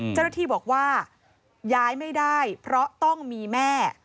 เจ้าหน้าที่บอกว่าย้ายไม่ได้เพราะต้องมีแม่